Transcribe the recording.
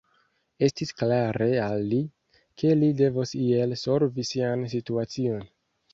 Estis klare al li, ke li devos iel solvi sian situacion.